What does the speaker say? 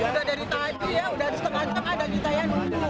sudah dari tadi ya sudah harus kegancang ada kitanya dulu